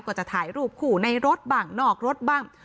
ก็จะถ่ายรูปคู่ในรถบ้างนอกรถบ้าง